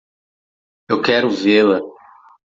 Eu quero vê-la.